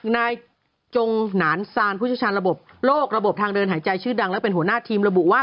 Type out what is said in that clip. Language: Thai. นายจงนานบนทางเลวนหายใจชื่อดังและเป็นหัวหน้าทีมระบุว่า